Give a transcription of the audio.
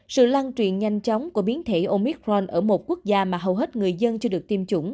sự lan truyền nhanh chóng của biến thể omicron ở một quốc gia mà hầu hết người dân chưa được tiêm chủng